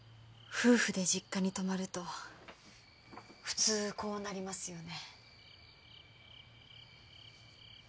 夫婦で実家に泊まると普通こうなりますよね